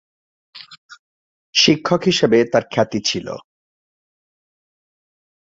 সঙ্গীত শিক্ষক হিসাবে তার খ্যাতি ছিল।